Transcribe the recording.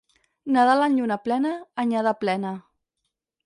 Nadal en lluna plena, anyada plena.